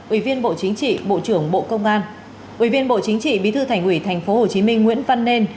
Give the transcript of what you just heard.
ủy viên bộ chính trị bộ trưởng bộ công an ủy viên bộ chính trị bí thư thành ủy tp hcm nguyễn văn nên